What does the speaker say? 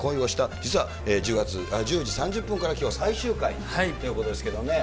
実は１０時３０分からきょうは最終回ということですけれどもね。